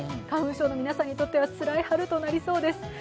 花粉症の皆さんにとってはつらい春となりそうです。